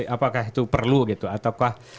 apakah itu perlu gitu ataukah